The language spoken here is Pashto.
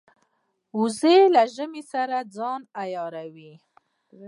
وزې له ژمې سره ځان عیاروي